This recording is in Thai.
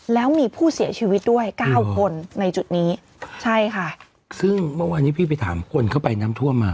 แล้วมีผู้เสียชีวิตด้วยเก้าคนในจุดนี้ใช่ค่ะซึ่งเมื่อวานนี้พี่ไปถามคนเข้าไปน้ำท่วมมา